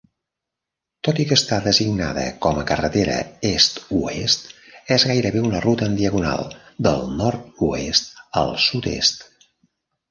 Tot i que està designada com a carretera est-oest, és gairebé una ruta en diagonal del nord-oest al sud-est.